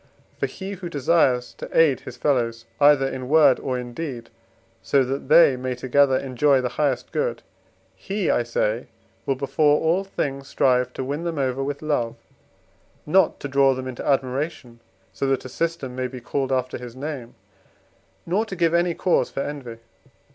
For he who desires to aid his fellows either in word or in deed, so that they may together enjoy the highest good, he, I say, will before all things strive to win them over with love: not to draw them into admiration, so that a system may be called after his name, nor to give any cause for envy.